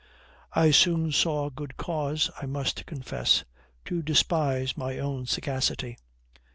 I soon saw good cause, I must confess, to despise my own sagacity.